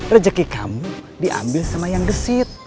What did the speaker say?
rezeki kamu diambil sama yang gesit